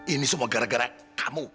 ini semua gara gara kamu